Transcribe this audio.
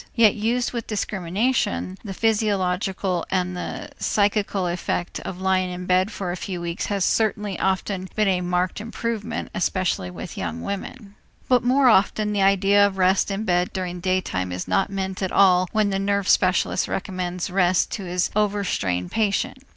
Yet used with discrimination, the physiological and the psychical effect of lying in bed for a few weeks has certainly often been a marked improvement, especially with young women. But more often the idea of rest in bed during daytime is not meant at all when the nerve specialist recommends rest to his over strained patient.